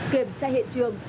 kiểm tra hiện trường